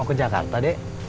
mau ke jakarta dek